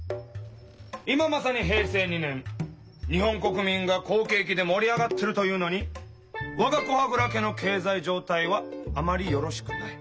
今まさに平成２年日本国民が好景気で盛り上がってるというのにわが古波蔵家の経済状態はあまりよろしくない。